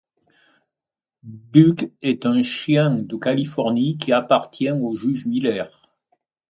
Buck est un chien de Californie qui appartient au juge Miller.